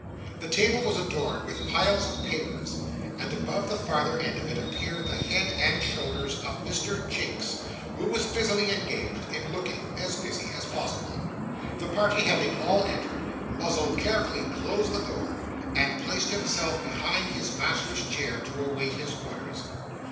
The table was adorned with piles of papers; and above the farther end of it, appeared the head and shoulders of Mr. Jinks, who was busily engaged in looking as busy as possible. The party having all entered, Muzzle carefully closed the door, and placed himself behind his master's chair to await his orders.